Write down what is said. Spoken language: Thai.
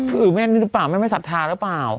หรือเปล่าไม่มีศัฒนาหรือเปล่า